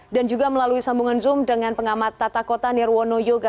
dan juga melalui sambungan zoom dengan pengamat tata kota nirwono yoga